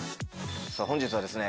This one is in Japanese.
さぁ本日はですね